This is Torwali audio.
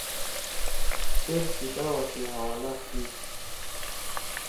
چیر کتابا سی حوالہ تھی